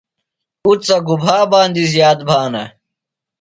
اُڅہ گُبھا باندیۡ زِندہ بھانہ؟